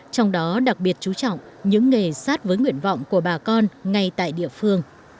trong đó đặc biệt chú trọng những nghề sát với nguyện vọng của bà con ngay tại địa phương